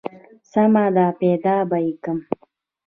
سمه ده پيدا به يې کم.